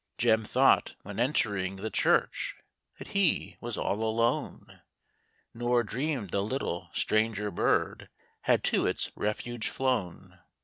Jem thought, when entering the church, That he was all alone, Nor dreamed a little strang er bird, Had to its refuge flown.